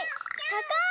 たかい！